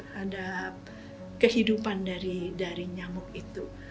terhadap kehidupan dari nyamuk itu